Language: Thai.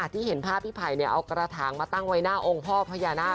ที่เห็นผ้าพี่ป่ายเอากระถังมาตั้งไว้หน้าองค์พ่อพระญาณา